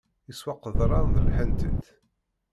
Iswa qeḍran d lḥentit.